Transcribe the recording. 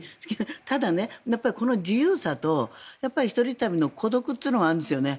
ただ、自由さと一人旅の孤独というのがあるんですよね。